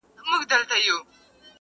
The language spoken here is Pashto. چي مغلوبه سي تیاره رڼا ځلېږي,